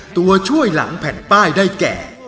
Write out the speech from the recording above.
ตัวช่วยหลังแผ่นป้ายได้แก่